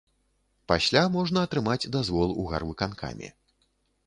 Пасля можна атрымаць дазвол у гарвыканкаме.